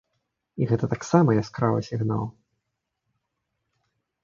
І гэта таксама яскравы сігнал.